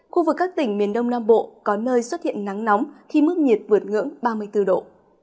khu vực các tỉnh miền đông nam bộ có nơi xuất hiện nắng nóng khi mức nhiệt vượt ngưỡng ba mươi bốn độ